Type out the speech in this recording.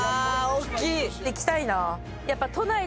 行きたいな。